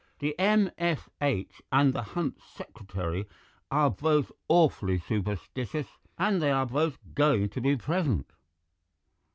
The M.F.H. and the Hunt Secretary are both awfully superstitious, and they are both going to be present."